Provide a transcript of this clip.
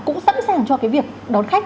cũng sẵn sàng cho cái việc đón khách